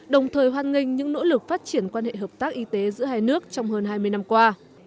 đồng thời hoan nghênh những nỗ lực phát triển quan hệ hợp tác y tế giữa hai nước trong hơn hai mươi năm qua